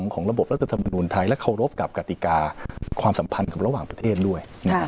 ของระบบรัฐธรรมนุนไทยและเคารพกับกติกาความสัมพันธ์กับระหว่างประเทศด้วย